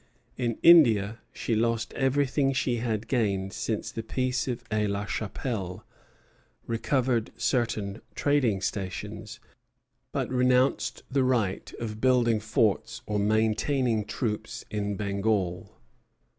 In India she lost everything she had gained since the peace of Aix la Chapelle; recovered certain trading stations, but renounced the right of building forts or maintaining troops in Bengal.